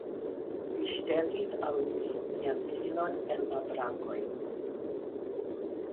Vi ŝtelis al mi mian filon el la brakoj.